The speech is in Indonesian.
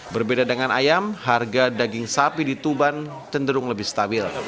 berbeda dengan ayam harga daging sapi di tuban cenderung lebih stabil